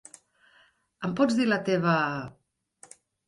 Em pots dir la teva...?